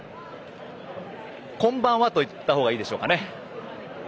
こんばんはと言ったほうがいいでしょうか。